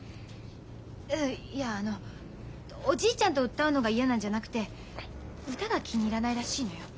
いやあのおじいちゃんと歌うのが嫌なんじゃなくて歌が気に入らないらしいのよ。